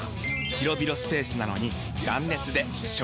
広々スペースなのに断熱で省エネ！